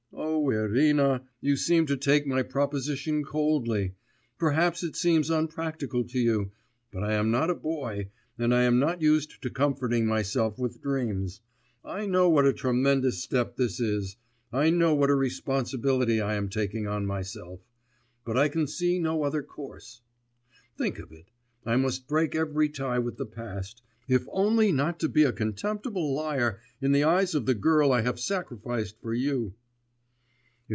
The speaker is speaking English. O Irina, you seem to take my proposition coldly; perhaps it seems unpractical to you, but I am not a boy, I am not used to comforting myself with dreams, I know what a tremendous step this is, I know what a responsibility I am taking on myself; but I can see no other course. Think of it, I must break every tie with the past, if only not to be a contemptible liar in the eyes of the girl I have sacrificed for you!